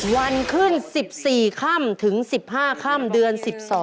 วันขึ้น๑๔ค่ำถึง๑๕ค่ำเดือน๑๒